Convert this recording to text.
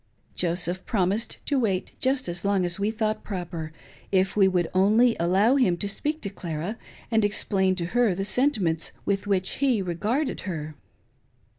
Joseph promised tdwait just as long as we thought proper, if only we would allow him to speak to Clara and explain to her the sentiments with which he regarded her.